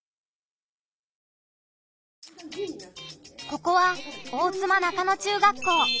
ここは大妻中野中学校。